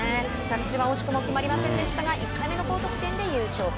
着地は惜しくも決まりませんでしたが１回目の高得点で優勝。